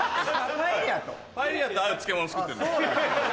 パエリアと合う漬物作ってるんで。